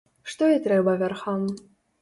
Што і трэба вярхам.